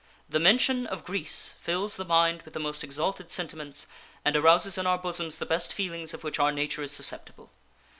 The mention of Greece fills the mind with the most exalted sentiments and arouses in our bosoms the best feelings of which our nature is susceptible.